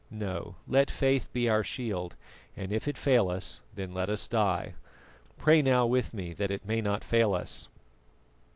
No, let faith be our shield, and if it fail us, then let us die. Pray now with me that it may not fail us."